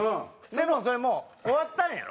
でもそれもう終わったんやろ？